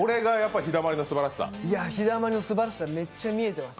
ひだまりのすばらしさ、めっちゃ見えてました。